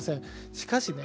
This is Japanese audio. しかしね